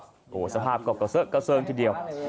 โอ้โหสภาพก็กระเซอะกระเซิงทีเดียว